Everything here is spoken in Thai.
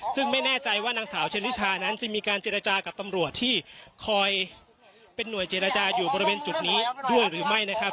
ซึ่งไม่แน่ใจว่านางสาวเชนนิชานั้นจะมีการเจรจากับตำรวจที่คอยเป็นห่วยเจรจาอยู่บริเวณจุดนี้ด้วยหรือไม่นะครับ